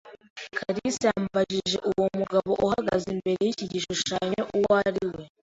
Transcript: kalisa yambajije uwo mugabo uhagaze imbere y’iki gishushanyo uwo ari we.